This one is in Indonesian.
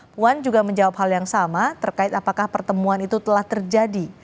puan juga menjawab hal yang sama terkait apakah pertemuan itu telah terjadi